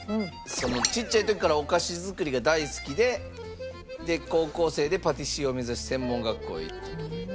ちっちゃい時からお菓子作りが大好きで高校生でパティシエを目指し専門学校へ行ったと。